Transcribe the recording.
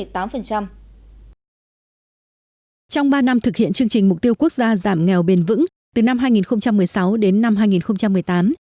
trong ba năm thực hiện chương trình mục tiêu quốc gia giảm nghèo bền vững từ năm hai nghìn một mươi sáu đến năm hai nghìn một mươi tám